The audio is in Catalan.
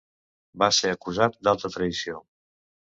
Va ser acusat d'alta traïció.